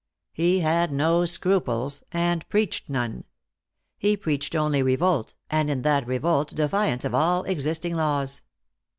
He had no scruples, and preached none. He preached only revolt, and in that revolt defiance of all existing laws.